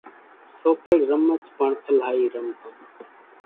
سوپڙِ رمچ پڻ الائِي رمتان۔